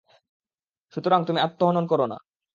সুতরাং তুমি আত্মহনন করো না।